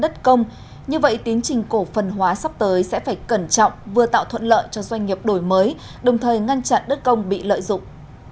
đất công như vậy tiến trình cổ phần hóa sắp tới sẽ phải cẩn trọng vừa tạo thuận lợi cho doanh nghiệp đổi mới đồng thời ngăn chặn đất công bị lợi dụng